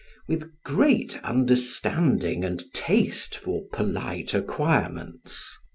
With great understanding and taste for polite acquirements, M.